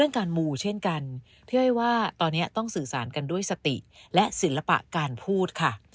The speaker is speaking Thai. จะให้เห็นว่าตอนนี้ต้องสื่อสารกันด้วยสติและศิลปะการพูดค่ะ